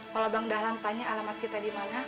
kalau bang dahlan tanya alamat kita di mana